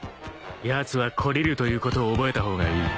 ［やつは懲りるということを覚えた方がいい］